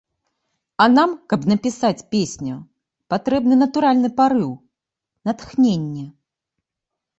А нам, каб напісаць песню, патрэбны натуральны парыў, натхненне.